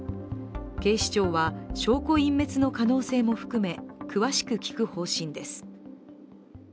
警視庁は証拠隠滅の可能性も含め詳しく聴く方針です。